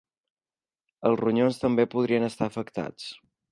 Els ronyons també podrien estar afectats.